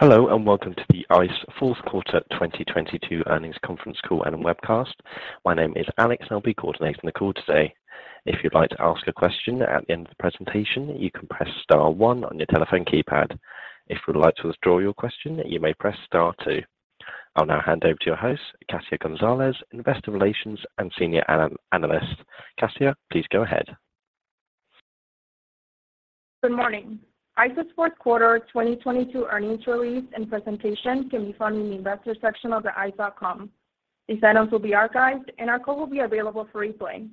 Hello, welcome to the ICE Q4 2022 earnings conference call and webcast. My name is Alex and I'll be coordinating the call today. If you'd like to ask a question at the end of the presentation, you can press star one on your telephone keypad. If you would like to withdraw your question, you may press star two. I'll now hand over to your host, Katia Gonzalez, Investor Relations and Senior Analyst. Katia, please go ahead. Good morning. ICE's Q4 2022 earnings release and presentation can be found in the investor section of the ice.com. These items will be archived and our call will be available for replay.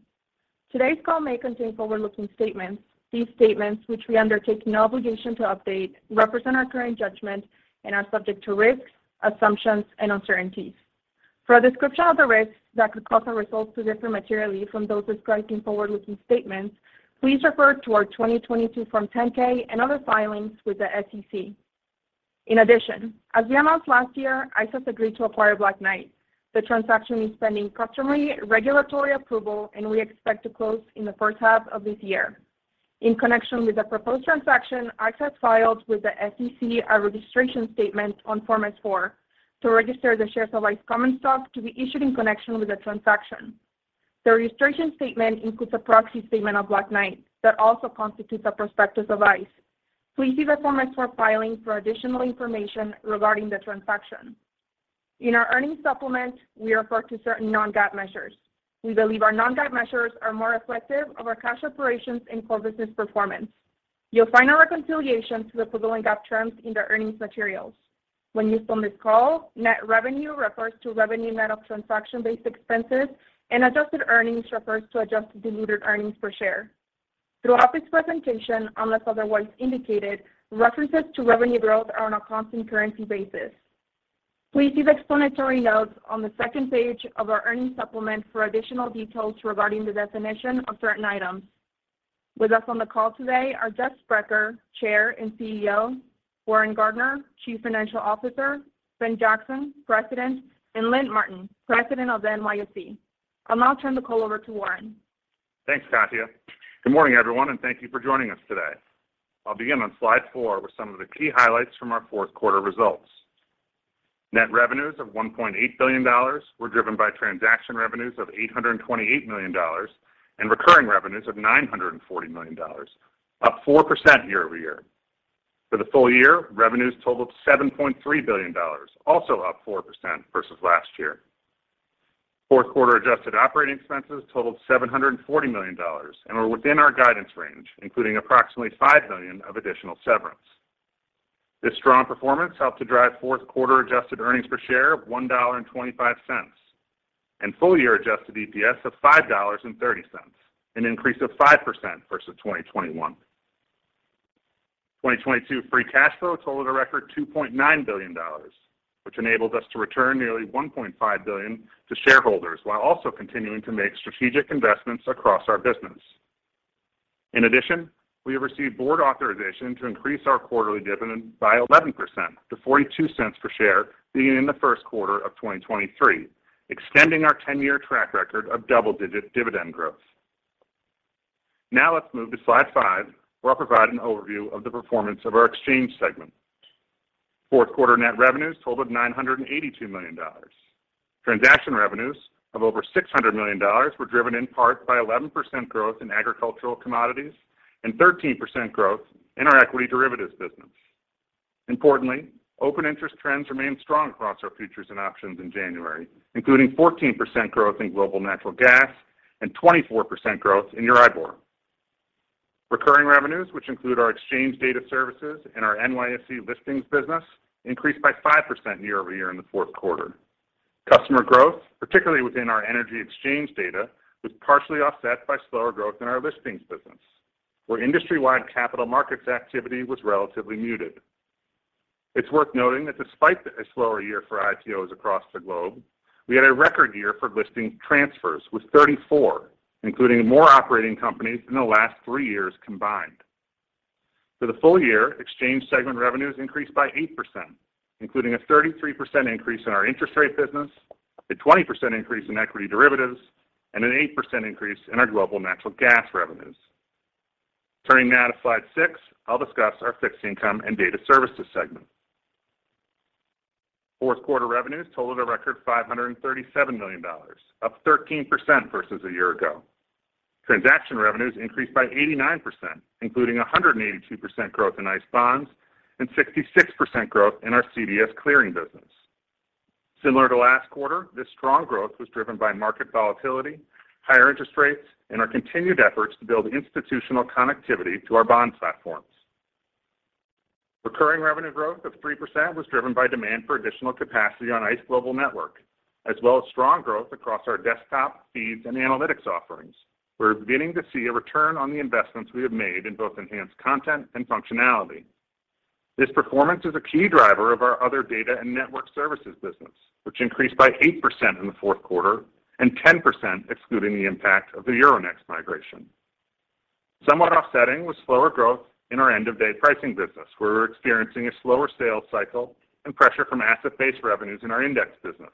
Today's call may contain forward-looking statements. These statements, which we undertake no obligation to update, represent our current judgment and are subject to risks, assumptions, and uncertainties. For a description of the risks that could cause our results to differ materially from those described in forward-looking statements, please refer to our 2022 Form 10-K and other filings with the SEC. In addition, as we announced last year, ICE has agreed to acquire Black Knight. The transaction is pending customary regulatory approval and we expect to close in the first half of this year. In connection with the proposed transaction, ICE has filed with the SEC a registration statement on Form S-4 to register the shares of ICE common stock to be issued in connection with the transaction. The registration statement includes a proxy statement of Black Knight that also constitutes a prospectus of ICE. Please see the Form S-4 filing for additional information regarding the transaction. In our earnings supplement, we refer to certain non-GAAP measures. We believe our non-GAAP measures are more reflective of our cash operations and core business performance. You'll find our reconciliation to the prevailing GAAP terms in the earnings materials. When used on this call, net revenue refers to revenue net of transaction-based expenses, and adjusted earnings refers to adjusted diluted earnings per share. Throughout this presentation, unless otherwise indicated, references to revenue growth are on a constant currency basis. Please see the explanatory notes on the second page of our earnings supplement for additional details regarding the definition of certain items. With us on the call today are Jeff Sprecher, Chair and CEO; Warren Gardiner, Chief Financial Officer; Ben Jackson, President; and Lynn Martin, President of the NYSE. I'll now turn the call over to Warren. Thanks, Katia. Good morning, everyone, and thank you for joining us today. I'll begin on slide four with some of the key highlights from our Q4 results. Net revenues of $1.8 billion were driven by transaction revenues of $828 million and recurring revenues of $940 million, up 4% year-over-year. For the full year, revenues totaled $7.3 billion, also up 4% versus last year. Q4 adjusted operating expenses totaled $740 million and were within our guidance range, including approximately $5 million of additional severance. This strong performance helped to drive Q4 adjusted earnings per share of $1.25, and full-year adjusted EPS of $5.30, an increase of 5% versus 2021. 2022 free cash flow totaled a record $2.9 billion, which enabled us to return nearly $1.5 billion to shareholders while also continuing to make strategic investments across our business. In addition, we have received board authorization to increase our quarterly dividend by 11% to $0.42 per share beginning in the Q1 of 2023, extending our 10-year track record of double-digit dividend growth. Now let's move to slide five, where I'll provide an overview of the performance of our exchange segment. Q4 net revenues totaled $982 million. Transaction revenues of over $600 million were driven in part by 11% growth in agricultural commodities and 13% growth in our equity derivatives business. Importantly, open interest trends remained strong across our futures and options in January, including 14% growth in global natural gas and 24% growth in EURIBOR. Recurring revenues, which include our exchange data services and our NYSE listings business, increased by 5% year-over-year in the Q4. Customer growth, particularly within our energy exchange data, was partially offset by slower growth in our listings business, where industry-wide capital markets activity was relatively muted. It's worth noting that despite a slower year for IPOs across the globe, we had a record year for listing transfers with 34, including more operating companies than the last three years combined. For the full year, exchange segment revenues increased by 8%, including a 33% increase in our interest rate business, a 20% increase in equity derivatives, and an 8% increase in our global natural gas revenues. Turning now to slide six, I'll discuss our fixed income and data services segment. Q4 revenues totaled a record $537 million, up 13% versus a year ago. Transaction revenues increased by 89%, including 182% growth in ICE Bonds and 66% growth in our CDS clearing business. Similar to last quarter, this strong growth was driven by market volatility, higher interest rates, and our continued efforts to build institutional connectivity to our bond platforms. Recurring revenue growth of 3% was driven by demand for additional capacity on ICE Global Network, as well as strong growth across our desktop, feeds, and analytics offerings. We're beginning to see a return on the investments we have made in both enhanced content and functionality. This performance is a key driver of our other data and network services business, which increased by 8% in the Q4 and 10% excluding the impact of the Euronext migration. Somewhat offsetting was slower growth in our end-of-day pricing business. We're experiencing a slower sales cycle and pressure from asset-based revenues in our index business,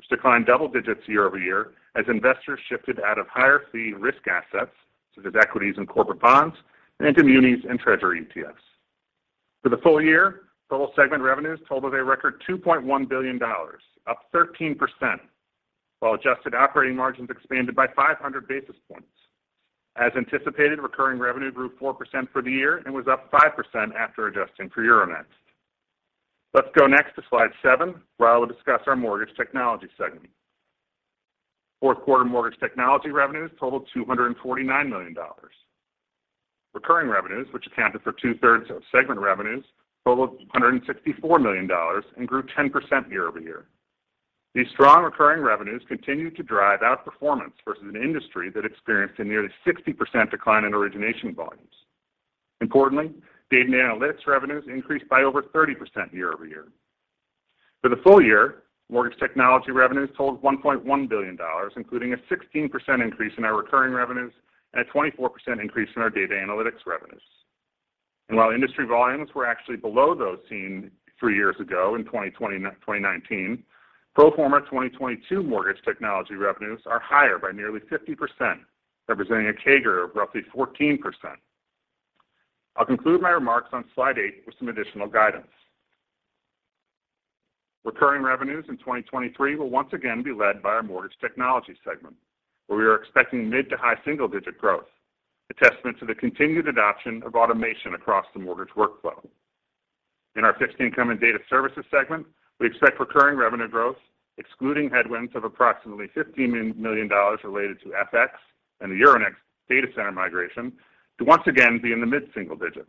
which declined double digits year-over-year as investors shifted out of higher fee risk assets such as equities and corporate bonds and into munis and treasury ETFs. For the full year, total segment revenues totaled a record $2.1 billion, up 13%, while adjusted operating margins expanded by 500 basis points. As anticipated, recurring revenue grew 4% for the year and was up 5% after adjusting for Euronext. Let's go next to slide seven, where I will discuss our mortgage technology segment. Fourth-quarter mortgage technology revenues totaled $249 million. Recurring revenues, which accounted for two-thirds of segment revenues, totaled $164 million and grew 10% year-over-year. These strong recurring revenues continued to drive outperformance versus an industry that experienced a nearly 60% decline in origination volumes. Importantly, data and analytics revenues increased by over 30% year-over-year. For the full year, mortgage technology revenues totaled $1.1 billion, including a 16% increase in our recurring revenues and a 24% increase in our data analytics revenues. While industry volumes were actually below those seen three years ago in 2019, pro forma 2022 mortgage technology revenues are higher by nearly 50%, representing a CAGR of roughly 14%. I'll conclude my remarks on Slide eight with some additional guidance. Recurring revenues in 2023 will once again be led by our mortgage technology segment, where we are expecting mid to high single-digit growth, a testament to the continued adoption of automation across the mortgage workflow. Our fixed income and data services segment, we expect recurring revenue growth, excluding headwinds of approximately $50 million related to FX and the Euronext data center migration to once again be in the mid single digits.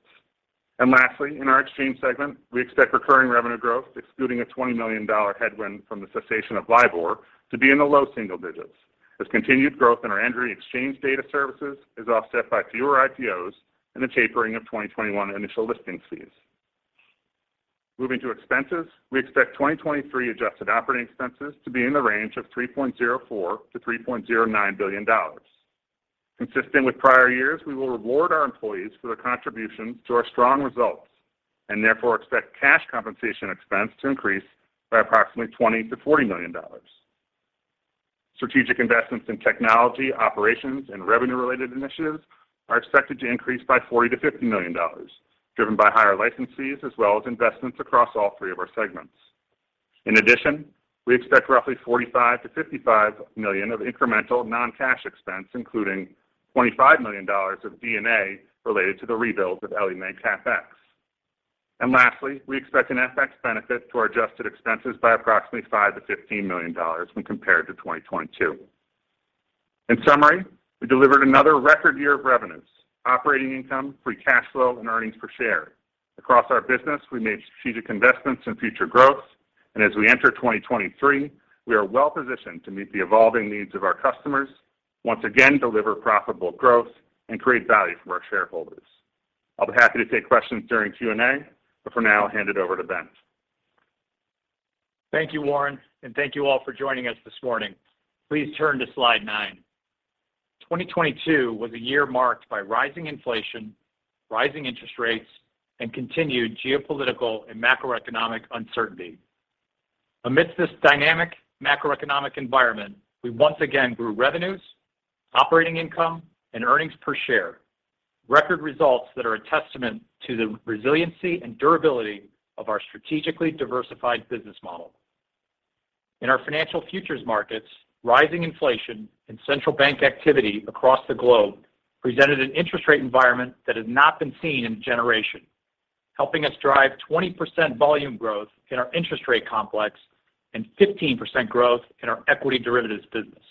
Lastly, in our exchange segment, we expect recurring revenue growth, excluding a $20 million headwind from the cessation of LIBOR to be in the low single digits as continued growth in our entry exchange data services is offset by fewer IPOs and the tapering of 2021 initial listing fees. Moving to expenses, we expect 2023 adjusted operating expenses to be in the range of $3.04 billion-$3.09 billion. Consistent with prior years, we will reward our employees for their contributions to our strong results and therefore expect cash compensation expense to increase by approximately $20 million-$40 million. Strategic investments in technology, operations, and revenue-related initiatives are expected to increase by $40 million-$50 million, driven by higher license fees as well as investments across all three of our segments. We expect roughly $45 million-$55 million of incremental non-cash expense, including $25 million of D&A related to the rebuild of LMAX FX. Lastly, we expect an FX benefit to our adjusted expenses by approximately $5 million-$15 million when compared to 2022. In summary, we delivered another record year of revenues, operating income, free cash flow, and earnings per share. Across our business, we made strategic investments in future growth. As we enter 2023, we are well-positioned to meet the evolving needs of our customers, once again deliver profitable growth, and create value for our shareholders. I'll be happy to take questions during Q&A, for now, I'll hand it over to Ben Jackson. Thank you, Warren. Thank you all for joining us this morning. Please turn to slide nine. n2022 was a year marked by rising inflation, rising interest rates, and continued geopolitical and macroeconomic uncertainty. Amidst this dynamic macroeconomic environment, we once again grew revenues, operating income, and earnings per share, record results that are a testament to the resiliency and durability of our strategically diversified business model. In our financial futures markets, rising inflation and central bank activity across the globe presented an interest rate environment that has not been seen in a generation, helping us drive 20% volume growth in our interest rate complex and 15% growth in our equity derivatives business.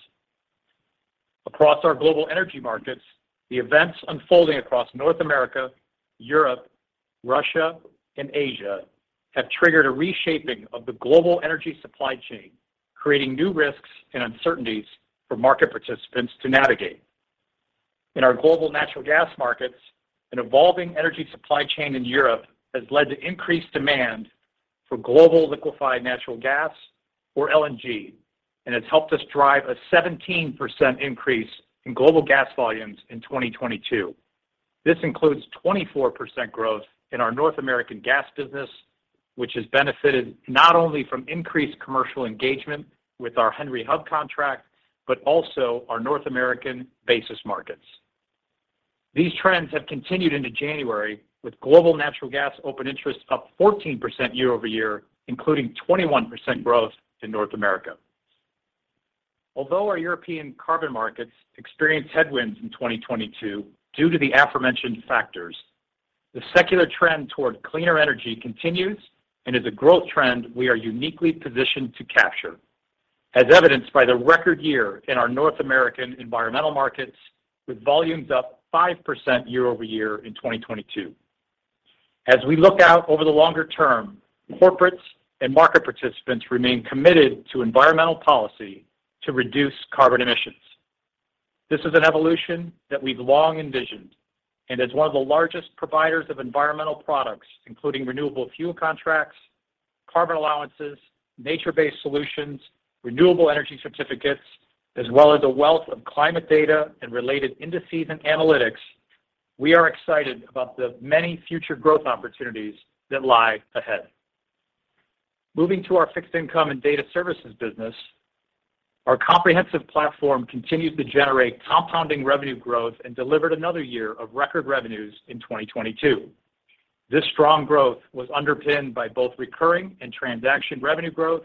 Across our global energy markets, the events unfolding across North America, Europe, Russia, and Asia have triggered a reshaping of the global energy supply chain, creating new risks and uncertainties for market participants to navigate. In our global natural gas markets, an evolving energy supply chain in Europe has led to increased demand for global liquefied natural gas or LNG, and has helped us drive a 17% increase in global gas volumes in 2022. This includes 24% growth in our North American gas business, which has benefited not only from increased commercial engagement with our Henry Hub contract, but also our North American basis markets. These trends have continued into January, with global natural gas open interest up 14% year-over-year, including 21% growth in North America. Although our European carbon markets experienced headwinds in 2022 due to the aforementioned factors, the secular trend toward cleaner energy continues and is a growth trend we are uniquely positioned to capture, as evidenced by the record year in our North American environmental markets, with volumes up 5% year-over-year in 2022. As we look out over the longer term, corporates and market participants remain committed to environmental policy to reduce carbon emissions. This is an evolution that we've long envisioned, and as one of the largest providers of environmental products, including renewable fuel contracts, Carbon Allowances, Nature-Based Solutions, Renewable Energy Certificates, as well as a wealth of climate data and related indices and analytics. We are excited about the many future growth opportunities that lie ahead. Moving to our fixed income and data services business, our comprehensive platform continues to generate compounding revenue growth and delivered another year of record revenues in 2022. This strong growth was underpinned by both recurring and transaction revenue growth.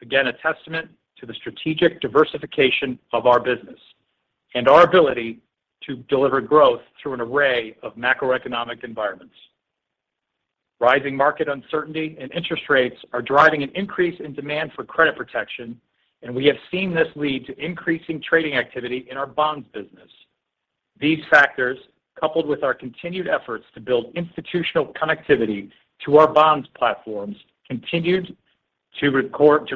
Again, a testament to the strategic diversification of our business and our ability to deliver growth through an array of macroeconomic environments. Rising market uncertainty and interest rates are driving an increase in demand for credit protection, and we have seen this lead to increasing trading activity in our bonds business. These factors, coupled with our continued efforts to build institutional connectivity to our bonds platforms, continued to record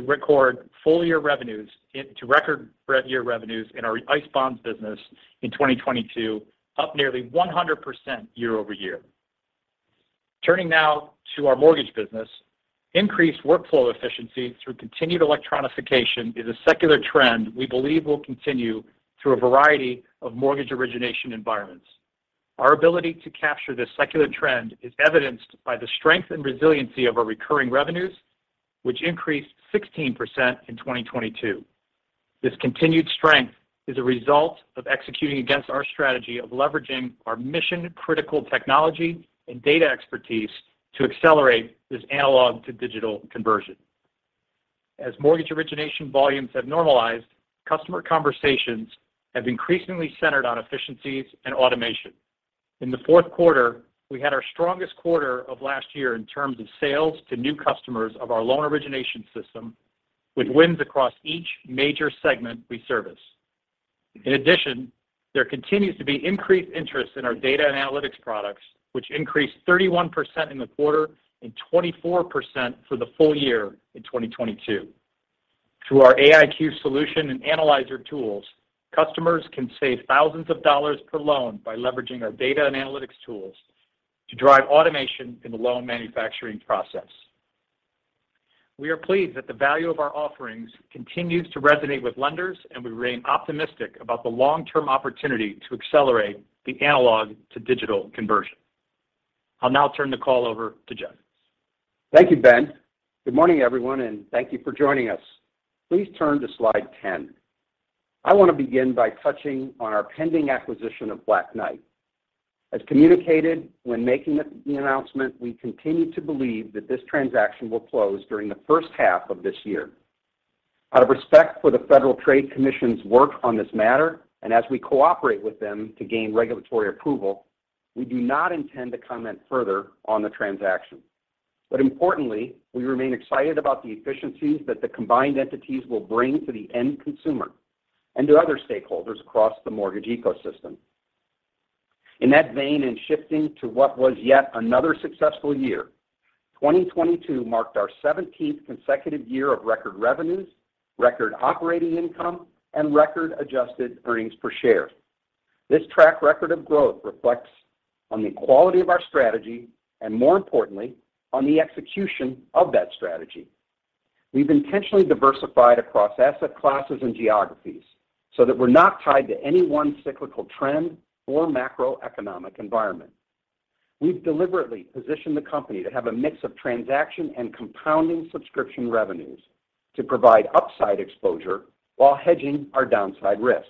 year revenues in our ICE Bonds business in 2022, up nearly 100% year-over-year. Turning now to our mortgage business. Increased workflow efficiency through continued electronification is a secular trend we believe will continue through a variety of mortgage origination environments. Our ability to capture this secular trend is evidenced by the strength and resiliency of our recurring revenues, which increased 16% in 2022. This continued strength is a result of executing against our strategy of leveraging our mission-critical technology and data expertise to accelerate this analog-to-digital conversion. As mortgage origination volumes have normalized, customer conversations have increasingly centered on efficiencies and automation. In the Q4, we had our strongest quarter of last year in terms of sales to new customers of our loan origination system, with wins across each major segment we service. There continues to be increased interest in our data analytics products, which increased 31% in the quarter and 24% for the full year in 2022. Through our AIQ solution and analyzer tools, customers can save thousands of dollars per loan by leveraging our data and analytics tools to drive automation in the loan manufacturing process. We are pleased that the value of our offerings continues to resonate with lenders, and we remain optimistic about the long-term opportunity to accelerate the analog-to-digital conversion. I'll now turn the call over to Jeff. Thank you, Ben. Good morning, everyone, thank you for joining us. Please turn to slide 10. I want to begin by touching on our pending acquisition of Black Knight. As communicated when making the announcement, we continue to believe that this transaction will close during the first half of this year. Out of respect for the Federal Trade Commission's work on this matter, as we cooperate with them to gain regulatory approval, we do not intend to comment further on the transaction. Importantly, we remain excited about the efficiencies that the combined entities will bring to the end consumer and to other stakeholders across the mortgage ecosystem. In that vein, in shifting to what was yet another successful year, 2022 marked our 17th consecutive year of record revenues, record operating income, and record-adjusted earnings per share. This track record of growth reflects on the quality of our strategy and, more importantly, on the execution of that strategy. We've intentionally diversified across asset classes and geographies so that we're not tied to any one cyclical trend or macroeconomic environment. We've deliberately positioned the company to have a mix of transaction and compounding subscription revenues to provide upside exposure while hedging our downside risk.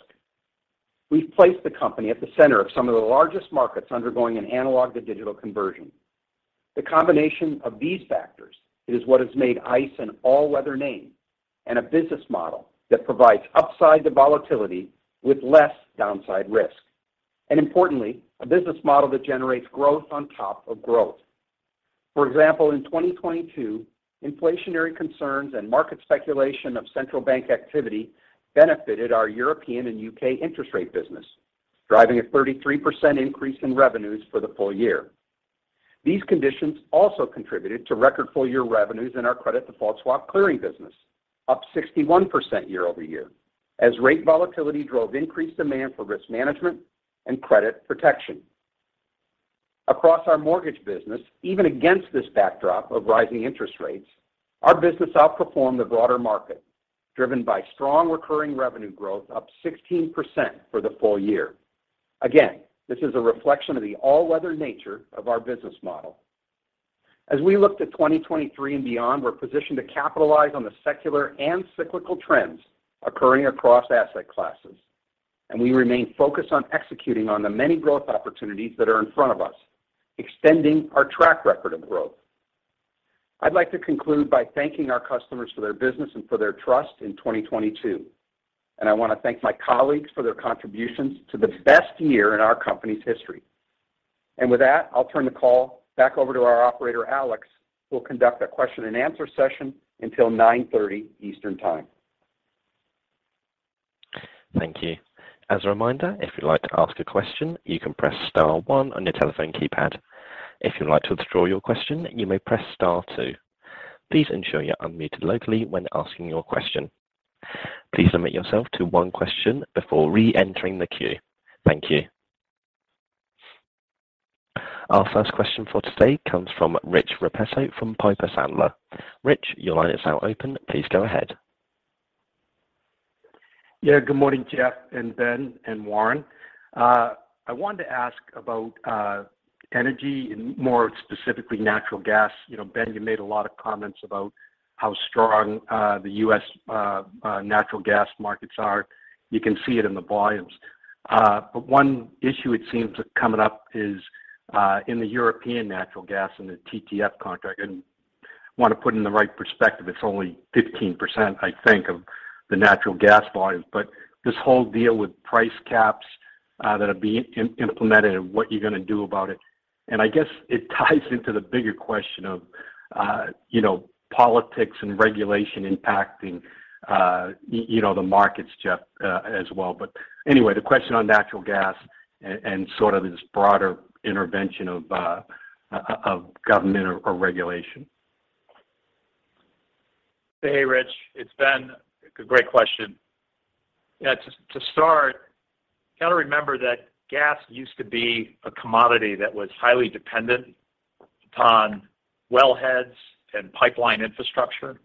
We've placed the company at the center of some of the largest markets undergoing an analog-to-digital conversion. The combination of these factors is what has made ICE an all-weather name and a business model that provides upside to volatility with less downside risk, and importantly, a business model that generates growth on top of growth. For example, in 2022, inflationary concerns and market speculation of central bank activity benefited our European and UK interest rate business, driving a 33% increase in revenues for the full year. These conditions also contributed to record full-year revenues in our credit default swap clearing business, up 61% year-over-year as rate volatility drove increased demand for risk management and credit protection. Across our mortgage business, even against this backdrop of rising interest rates, our business outperformed the broader market, driven by strong recurring revenue growth, up 16% for the full year. Again, this is a reflection of the all-weather nature of our business model. As we look to 2023 and beyond, we're positioned to capitalize on the secular and cyclical trends occurring across asset classes, we remain focused on executing on the many growth opportunities that are in front of us, extending our track record of growth. I'd like to conclude by thanking our customers for their business and for their trust in 2022. I want to thank my colleagues for their contributions to the best year in our company's history. With that, I'll turn the call back over to our operator, Alex, who will conduct a question and answer session until 9:30 Eastern Time. Thank you. As a reminder, if you'd like to ask a question, you can press star one on your telephone keypad. If you'd like to withdraw your question, you may press star two. Please ensure you're unmuted locally when asking your question. Please limit yourself to one question before re-entering the queue. Thank you. Our first question for today comes from Rich Repetto from Piper Sandler. Rich, your line is now open. Please go ahead. Yeah. Good morning, Jeff, and Ben and, Warren. I wanted to ask about energy and more specifically natural gas. You know, Ben, you made a lot of comments about how strong the U.S. natural gas markets are. You can see it in the volumes. One issue it seems coming up is in the European natural gas and the TTF contract, and want to put in the right perspective. It's only 15%, I think, of the natural gas volumes. This whole deal with price caps that are being implemented and what you're gonna do about it. I guess it ties into the bigger question of, you know, politics and regulation impacting, you know, the markets, Jeff, as well. The question on natural gas and sort of this broader intervention of government or regulation. Hey, Rich. It's Ben. Great question. To start, you got to remember that gas used to be a commodity that was highly dependent upon wellheads and pipeline infrastructure.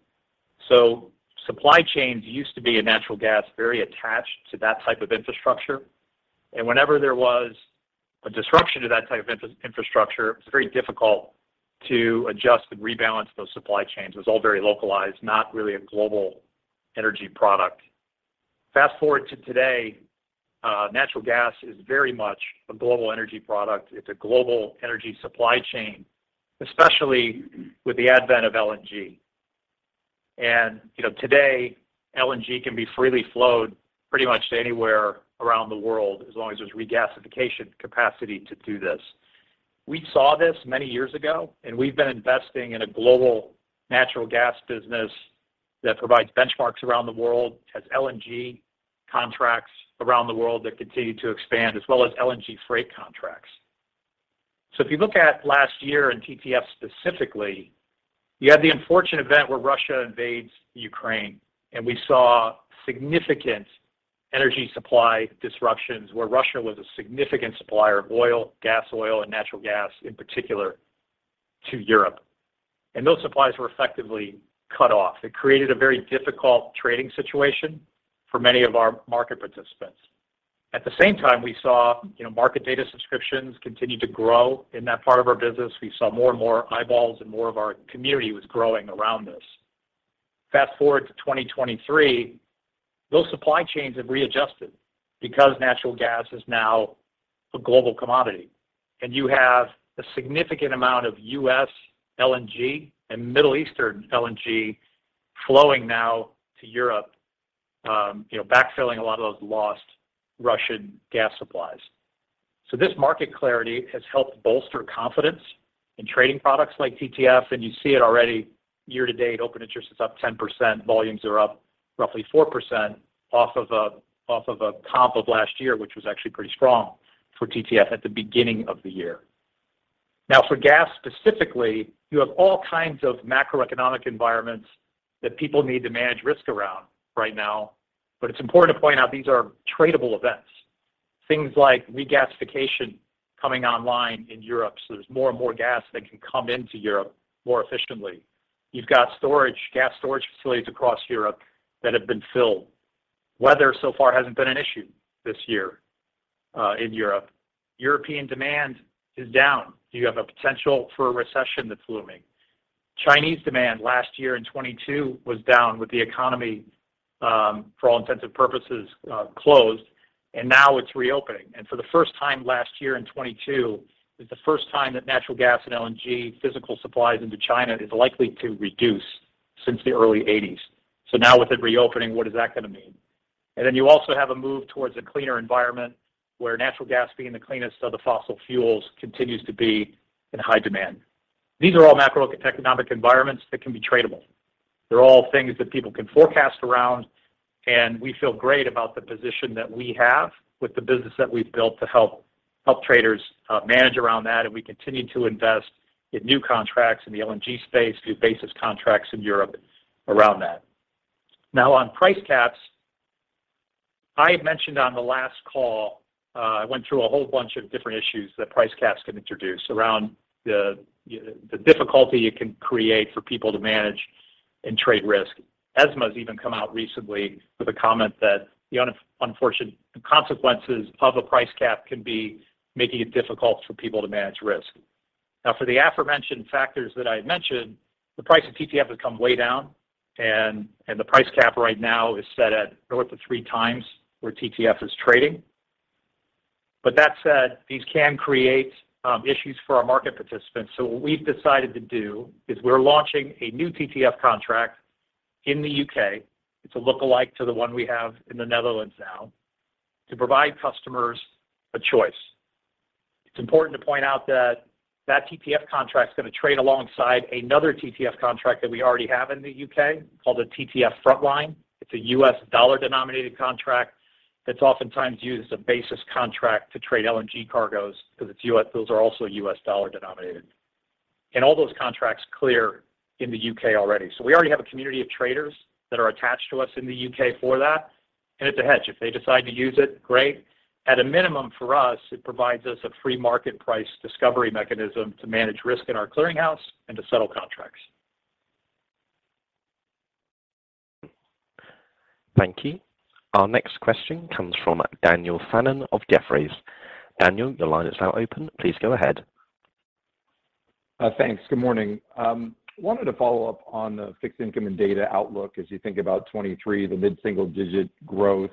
Supply chains used to be a natural gas very attached to that type of infrastructure. Whenever there was a disruption to that type of infrastructure, it was very difficult to adjust and rebalance those supply chains. It was all very localized, not really a global energy product. Fast-forward to today, natural gas is very much a global energy product. It's a global energy supply chain, especially with the advent of LNG. Today, you know, LNG can be freely flowed pretty much to anywhere around the world as long as there's regasification capacity to do this. We saw this many years ago, we've been investing in a global natural gas business that provides benchmarks around the world, has LNG contracts around the world that continue to expand, as well as LNG freight contracts. If you look at last year in TTF specifically, you had the unfortunate event where Russia invades Ukraine, we saw significant energy supply disruptions where Russia was a significant supplier of oil, Gasoil, and natural gas, in particular to Europe. Those supplies were effectively cut off. It created a very difficult trading situation for many of our market participants. At the same time, we saw, you know, market data subscriptions continue to grow in that part of our business. We saw more and more eyeballs and more of our community was growing around this. Fast-forward to 2023, those supply chains have readjusted because natural gas is now a global commodity. You have a significant amount of U.S. LNG and Middle Eastern LNG flowing now to Europe, you know, backfilling a lot of those lost Russian gas supplies. This market clarity has helped bolster confidence in trading products like TTF, and you see it already year-to-date, open interest is up 10%, volumes are up roughly 4% off of a comp of last year, which was actually pretty strong for TTF at the beginning of the year. Now for gas, specifically, you have all kinds of macroeconomic environments that people need to manage risk around right now. It's important to point out these are tradable events. Things like regasification coming online in Europe, so there's more and more gas that can come into Europe more efficiently. You've got storage, gas storage facilities across Europe that have been filled. Weather so far hasn't been an issue this year, in Europe. European demand is down. You have a potential for a recession that's looming. Chinese demand last year in 2022 was down with the economy, for all intents and purposes, closed, and now it's reopening. For the first time last year in 2022, is the first time that natural gas and LNG physical supplies into China is likely to reduce since the early '80s. Now with it reopening, what is that gonna mean? Then you also have a move towards a cleaner environment where natural gas being the cleanest of the fossil fuels continues to be in high demand. These are all macroeconomic environments that can be tradable. They're all things that people can forecast around, and we feel great about the position that we have with the business that we've built to help traders manage around that, and we continue to invest in new contracts in the LNG space, new basis contracts in Europe around that. On price caps, I had mentioned on the last call, I went through a whole bunch of different issues that price caps can introduce around the difficulty it can create for people to manage and trade risk. ESMA has even come out recently with a comment that the unfortunate consequences of a price cap can be making it difficult for people to manage risk. For the aforementioned factors that I mentioned, the price of TTF has come way down, and the price cap right now is set at north of 3x where TTF is trading. These can create issues for our market participants. What we've decided to do is we're launching a new TTF contract in the UK. It's a lookalike to the one we have in the Netherlands now to provide customers a choice. It's important to point out that that TTF contract is gonna trade alongside another TTF contract that we already have in the UK called the TTF 1st Line Financial futures. It's a U.S. dollar-denominated contract that's oftentimes used as a basis contract to trade LNG cargoes because those are also U.S. dollar-denominated. All those contracts clear in the UK already. We already have a community of traders that are attached to us in the U.K. for that. It's a hedge. If they decide to use it, great. At a minimum for us, it provides us a free market price discovery mechanism to manage risk in our clearinghouse and to settle contracts. Thank you. Our next question comes from Daniel Fannon of Jefferies. Daniel, your line is now open. Please go ahead. Thanks. Good morning. Wanted to follow up on the fixed income and data outlook as you think about 2023, the mid-single-digit growth.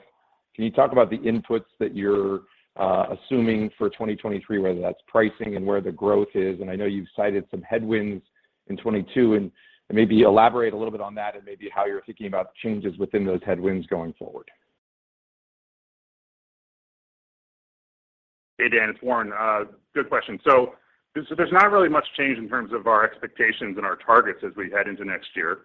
Can you talk about the inputs that you're assuming for 2023, whether that's pricing and where the growth is? I know you've cited some headwinds in 2022, and maybe elaborate a little bit on that and maybe how you're thinking about the changes within those headwinds going forward. Hey, Dan, it's Warren. Good question. There's not really much change in terms of our expectations and our targets as we head into next year.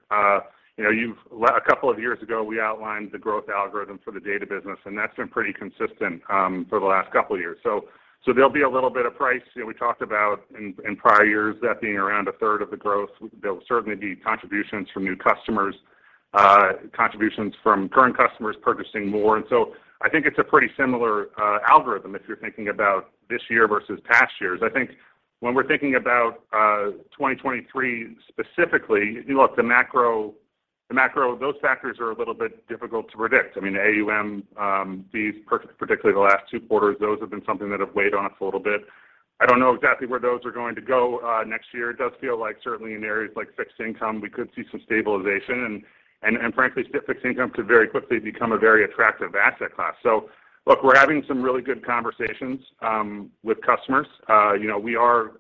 You know, couple of years ago, we outlined the growth algorithm for the data business, that's been pretty consistent for the last couple of years. There'll be a little bit of price. You know, we talked about in prior years, that being around a third of the growth. There will certainly be contributions from new customers, contributions from current customers purchasing more. I think it's a pretty similar algorithm if you're thinking about this year versus past years. I think when we're thinking about 2023 specifically, look, the macro, those factors are a little bit difficult to predict. I mean, AUM fees, particularly the last two quarters, those have been something that have weighed on us a little bit. I don't know exactly where those are going to go next year. It does feel like certainly in areas like fixed income, we could see some stabilization. Frankly, fixed income could very quickly become a very attractive asset class. Look, we're having some really good conversations with customers. You know, we are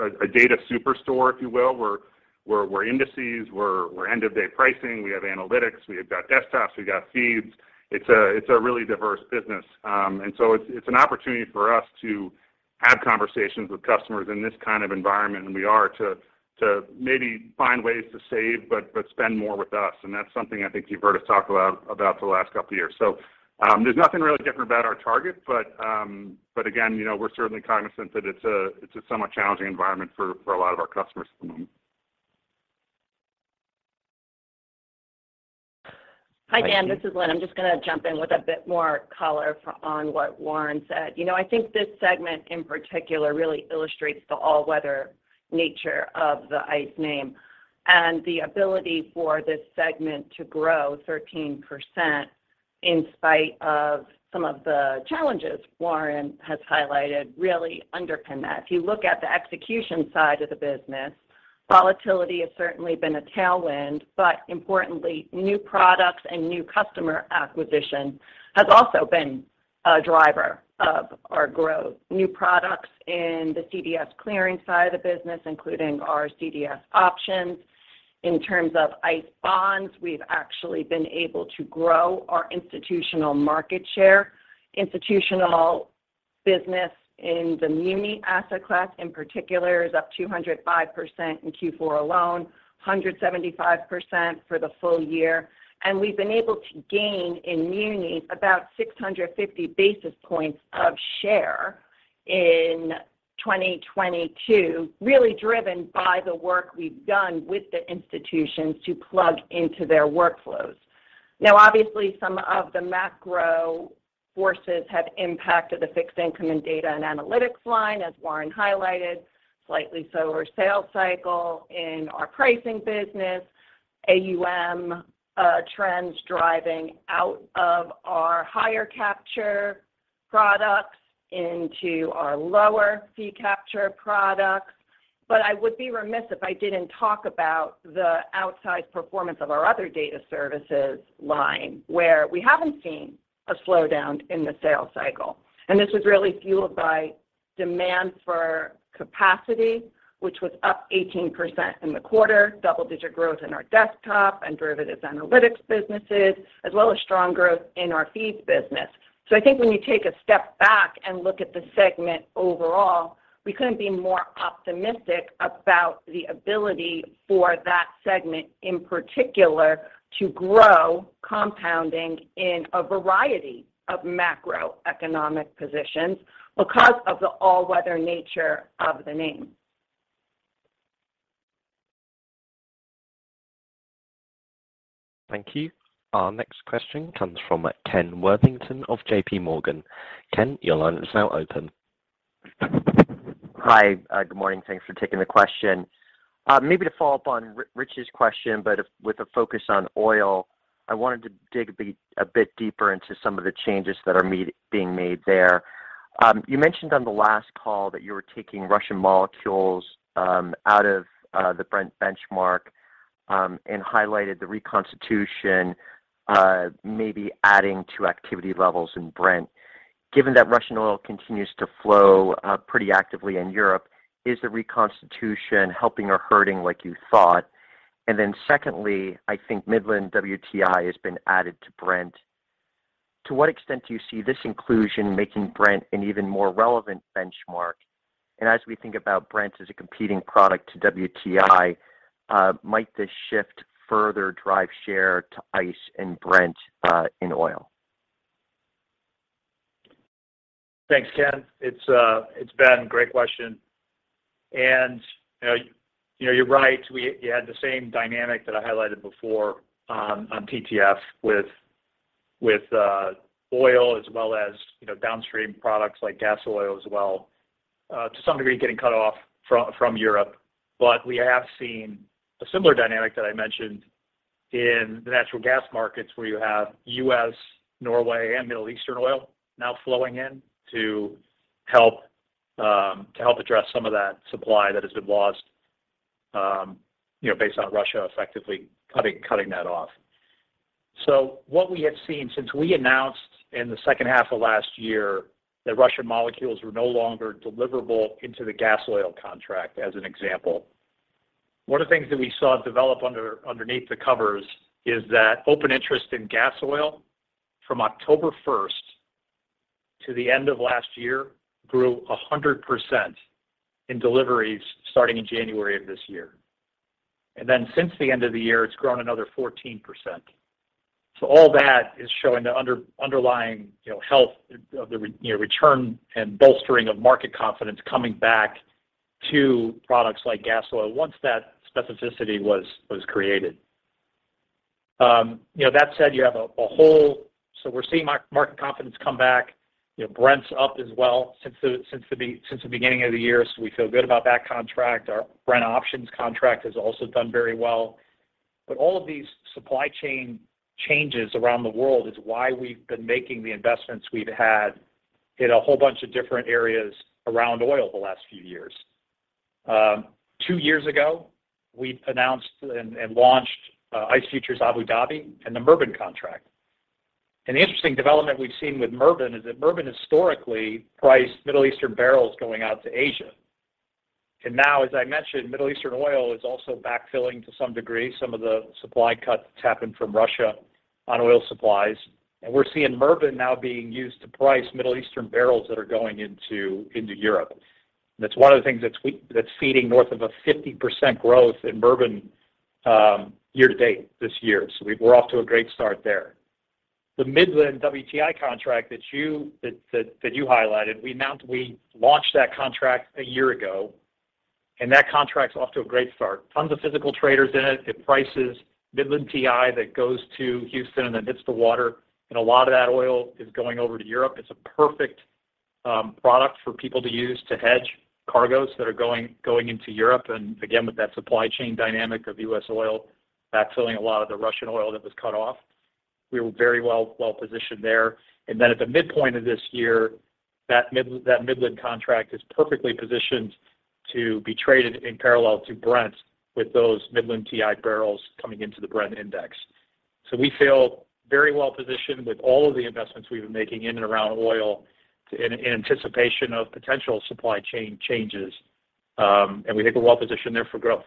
a data superstore, if you will. We're indices. We're end-of-day pricing. We have analytics. We have got desktops. We've got feeds. It's a really diverse business. It's an opportunity for us to have conversations with customers in this kind of environment, and we are, to maybe find ways to save but spend more with us. That's something I think you've heard us talk about the last two years. There's nothing really different about our target, but again, you know, we're certainly cognizant that it's a, it's a somewhat challenging environment for a lot of our customers at the moment. Thank you. Hi, Daniel. This is Lynn Martin. I'm just gonna jump in with a bit more color on what Warren Gardiner said. You know, I think this segment, in particular, really illustrates the all-weather nature of the ICE name. The ability for this segment to grow 13% in spite of some of the challenges Warren Gardiner has highlighted really underpin that. If you look at the execution side of the business, volatility has certainly been a tailwind, but importantly, new products and new customer acquisition has also been a driver of our growth. New products in the CDS clearing side of the business, including our CDS Index Options. In terms of ICE Bonds, we've actually been able to grow our institutional market share. Institutional business in the muni asset class, in particular, is up 205% in Q4 alone, 175% for the full year. We've been able to gain in munis about 650 basis points of share in 2022, really driven by the work we've done with the institutions to plug into their workflows. Now, obviously, some of the macro forces have impacted the fixed income and data and analytics line, as Warren highlighted. Slightly slower sales cycle in our pricing business. AUM trends driving out of our higher capture products into our lower fee capture products. I would be remiss if I didn't talk about the outsized performance of our other data services line, where we haven't seen a slowdown in the sales cycle. This was really fueled by demand for capacity, which was up 18% in the quarter. Double-digit growth in our desktop and derivatives analytics businesses, as well as strong growth in our feeds business. I think when you take a step back and look at the segment overall, we couldn't be more optimistic about the ability for that segment, in particular, to grow compounding in a variety of macroeconomic positions because of the all-weather nature of the name. Thank you. Our next question comes from Ken Worthington of JPMorgan. Ken, your line is now open. Hi, good morning. Thanks for taking the question. Maybe to follow up on Rich's question, but with a focus on oil. I wanted to dig a bit deeper into some of the changes that are being made there. You mentioned on the last call that you were taking Russian molecules out of the Brent benchmark and highlighted the reconstitution maybe adding to activity levels in Brent. Given that Russian oil continues to flow pretty actively in Europe, is the reconstitution helping or hurting like you thought? Secondly, I think Midland WTI has been added to Brent. To what extent do you see this inclusion making Brent an even more relevant benchmark? As we think about Brent as a competing product to WTI, might this shift further drive share to ICE and Brent in oil? Thanks, Ken. It's Ben. Great question. You know, you know, you're right. You had the same dynamic that I highlighted before, on TTF with-. With oil as well as, you know, downstream products like Gasoil as well, to some degree getting cut off from Europe. We have seen a similar dynamic that I mentioned in the natural gas markets where you have U.S., Norway, and Middle Eastern oil now flowing in to help address some of that supply that has been lost, you know, based on Russia effectively cutting that off. What we have seen since we announced in the second half of last year that Russian molecules were no longer deliverable into the Gasoil contract as an example, one of the things that we saw develop underneath the covers is that open interest in Gasoil from October 1st to the end of last year grew 100% in deliveries starting in January of this year. Since the end of the year, it's grown another 14%. All that is showing the underlying, you know, health of the return and bolstering of market confidence coming back to products like Gasoil once that specificity was created. You know, that said, you have a market confidence come back. You know, Brent's up as well since the beginning of the year, so we feel good about that contract. Our Brent options contract has also done very well. All of these supply chain changes around the world is why we've been making the investments we've had in a whole bunch of different areas around oil the last few years. Two years ago, we announced and launched ICE Futures Abu Dhabi and the Murban contract. An interesting development we've seen with Murban is that Murban historically priced Middle Eastern barrels going out to Asia. Now, as I mentioned, Middle Eastern oil is also backfilling to some degree some of the supply cuts that's happened from Russia on oil supplies. We're seeing Murban now being used to price Middle Eastern barrels that are going into Europe. That's one of the things that's feeding north of a 50% growth in Murban year to date this year. We're off to a great start there. The Midland WTI contract that you highlighted, we launched that contract a year ago, and that contract's off to a great start. Tons of physical traders in it. It prices Midland WTI that goes to Houston and then hits the water. A lot of that oil is going over to Europe. It's a perfect product for people to use to hedge cargoes that are going into Europe. Again, with that supply chain dynamic of U.S. oil backfilling a lot of the Russian oil that was cut off, we were very well-positioned there. Then at the midpoint of this year, that Midland contract is perfectly positioned to be traded in parallel to Brent with those Midland WTI barrels coming into the Brent Index. We feel very well-positioned with all of the investments we've been making in and around oil in anticipation of potential supply chain changes. We think we're well-positioned there for growth.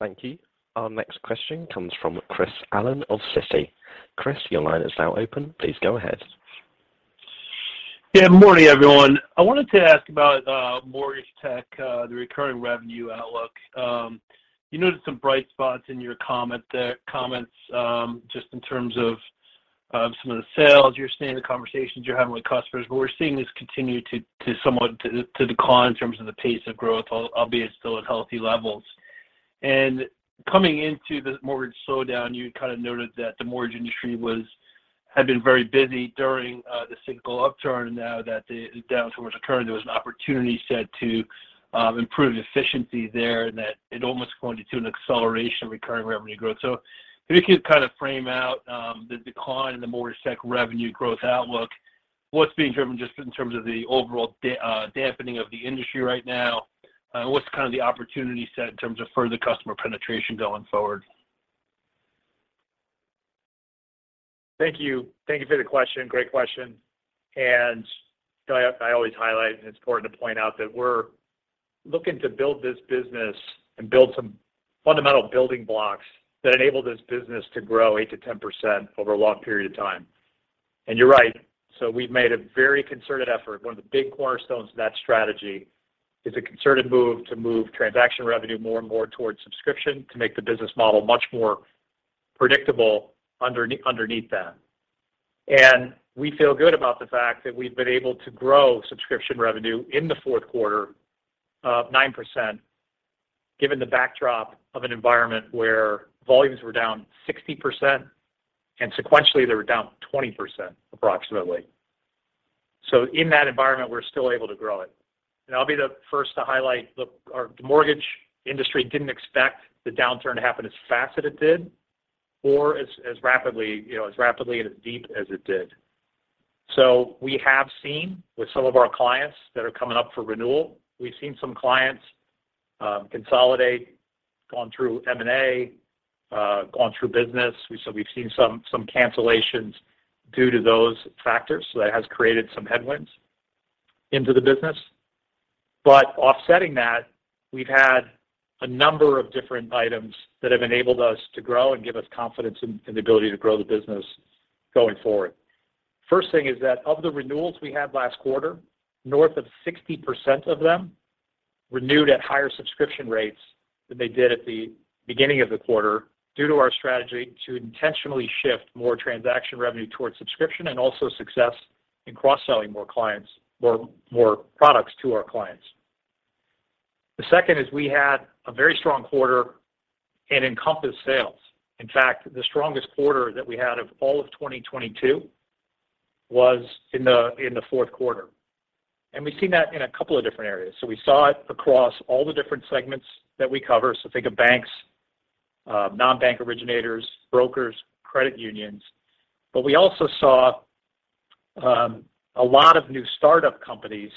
Thank you. Our next question comes from Chris Allen of Citi. Chris, your line is now open. Please go ahead. Yeah. Morning, everyone. I wanted to ask about mortgage tech, the recurring revenue outlook. You noted some bright spots in your comment there, comments, just in terms of some of the sales you're seeing, the conversations you're having with customers. we're seeing this continue to somewhat decline in terms of the pace of growth, albeit still at healthy levels. Coming into the mortgage slowdown, you kind of noted that the mortgage industry had been very busy during the cyclical upturn now that the downturn was occurring. There was an opportunity set to improve efficiency there, and that it almost pointed to an acceleration of recurring revenue growth. If you could kind of frame out, the decline in the mortgage tech revenue growth outlook, what's being driven just in terms of the overall dampening of the industry right now? What's kind of the opportunity set in terms of further customer penetration going forward? Thank you. Thank you for the question. Great question. I always highlight, and it's important to point out that we're looking to build this business and build some fundamental building blocks that enable this business to grow 8%-10% over a long period of time. You're right. We've made a very concerted effort. One of the big cornerstones of that strategy is a concerted move to move transaction revenue more and more towards subscription to make the business model much more predictable underneath that. We feel good about the fact that we've been able to grow subscription revenue in the Q4 of 9%, given the backdrop of an environment where volumes were down 60%, sequentially, they were down 20% approximately. In that environment, we're still able to grow it. I'll be the first to highlight the mortgage industry didn't expect the downturn to happen as fast as it did or as rapidly, you know, as rapidly and as deep as it did. We have seen with some of our clients that are coming up for renewal, we've seen some clients consolidate, gone through M&A, gone through business. We've seen some cancellations due to those factors. That has created some headwinds into the business. Offsetting that, we've had a number of different items that have enabled us to grow and give us confidence in the ability to grow the business going forward. First thing is that of the renewals we had last quarter, north of 60% of them renewed at higher subscription rates than they did at the beginning of the quarter due to our strategy to intentionally shift more transaction revenue towards subscription and also success in cross-selling more clients, more products to our clients. The second is we had a very strong quarter in Encompass sales. In fact, the strongest quarter that we had of all of 2022 was in the Q4. We've seen that in a couple of different areas. We saw it across all the different segments that we cover. Think of banks, non-bank originators, brokers, credit unions. We also saw a lot of new startup companies